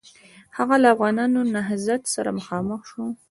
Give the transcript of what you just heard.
هغه له افغانانو نهضت سره مخامخ شو.